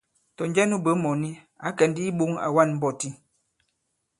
Tɔ̀ njɛ nu bwě mɔ̀ni, ǎ kɛ̀ ndi i iɓōŋ, à wa᷇n mbɔti.